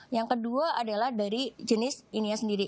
yang kedua adalah dari jenis ininya sendiri